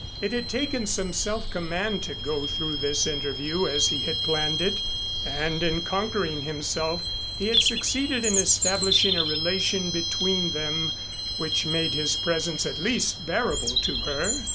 It had taken some self command to go through this interview as he had planned it, and in conquering himself he had succeeded in establishing a relation between them which made his presence at least bearable to her.